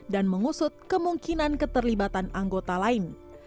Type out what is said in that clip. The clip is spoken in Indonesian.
dan mengusut kemungkinan keterlibatan anggota lain